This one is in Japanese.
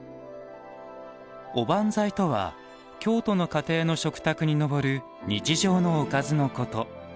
おばんざいとは京都の家庭の食卓に上る日常のおかずのこと。